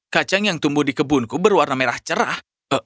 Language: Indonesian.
kacang yang tumbuh di kebunku berwarna merah cerah